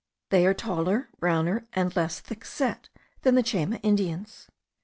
They are taller, browner, and less thick set than the Chayma Indians.